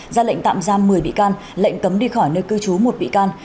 ra lệnh tạm giam một mươi bị can lệnh cấm đi khỏi nơi cư trú một bị can